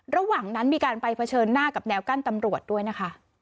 ระหว่างนั้นมีการไปเผชิญหน้ากับแนวกั้นตำรวจด้วยนะคะ